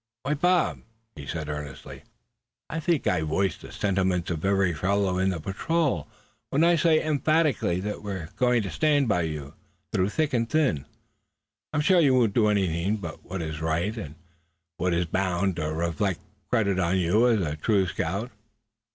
"Why, Bob," he said, earnestly, "I think I voice the sentiments of every fellow in the patrol when I say most emphatically that we're going to stand by you through thick and thin. I'm sure you won't do anything but what is right, and what is bound to reflect credit on you as a true scout.